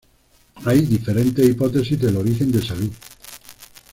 Hay diferentes hipótesis del origen de Salou.